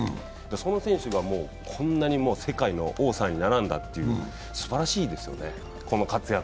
その選手がこんなに世界の王さんに並んだというこの活躍はすばらしいですよね。